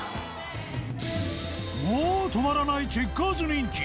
もう止まらないチェッカーズ人気！